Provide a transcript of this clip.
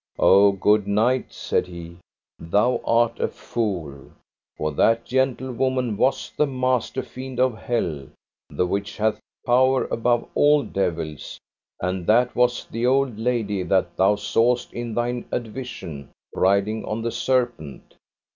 O good knight, said he, thou art a fool, for that gentlewoman was the master fiend of hell, the which hath power above all devils, and that was the old lady that thou sawest in thine advision riding on the serpent.